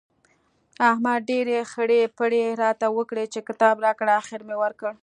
احمد ډېرې خړۍ پړۍ راته وکړې چې کتاب راکړه؛ اخېر مې ورکړ.